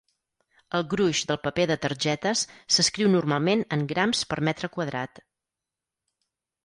El gruix del paper de targetes s'escriu normalment en grams per metre quadrat.